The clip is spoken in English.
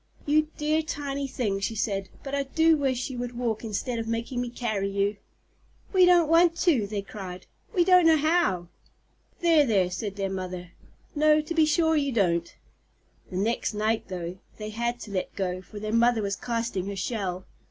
"You dear tiny things!" she said. "But I do wish you would walk instead of making me carry you." "We don't want to!" they cried; "we don't know how." "There, there!" said their mother. "No, to be sure you don't." The next night, though, they had to let go, for their mother was casting her shell.